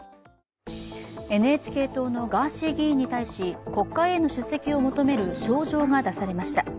ＮＨＫ党のガーシー議員に対し国会への出席を求める招状が出されました。